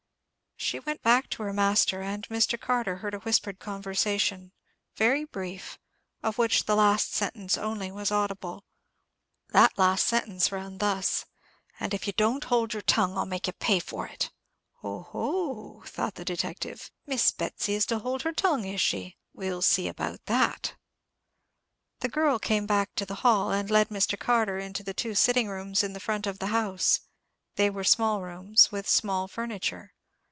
She went back to her master, and Mr. Carter heard a whispered conversation, very brief, of which the last sentence only was audible. That last sentence ran thus: "And if you don't hold your tongue, I'll make you pay for it." "Ho, ho!" thought the detective; "Miss Betsy is to hold her tongue, is she? We'll see about that." The girl came back to the hall, and led Mr. Carter into the two sitting rooms in the front of the house. They were small rooms, with small furniture.